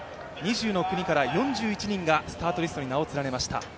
２０の国から４１人がスタートリストに名を連ねました。